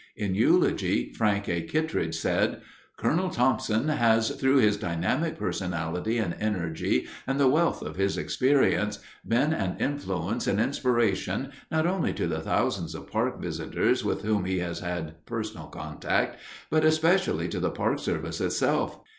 In eulogy, Frank A. Kittredge said: "Colonel Thomson has, through his dynamic personality and energy and the wealth of his experience, been an influence and inspiration not only to the thousands of Park visitors with whom he has had personal contact, but especially to the Park Service itself.